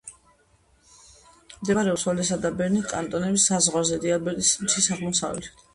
მდებარეობს ვალესა და ბერნის კანტონების საზღვარზე, დიალბერეტის მთის აღმოსავლეთით.